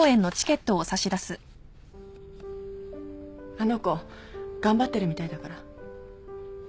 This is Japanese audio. あの子頑張ってるみたいだから。